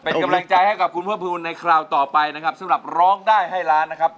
เป็นกำลังใจให้กับคุณเพิ่มภูมิในคราวต่อไปนะครับสำหรับร้องได้ให้ล้านนะครับ